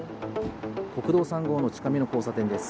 国道３号の近見の交差点です。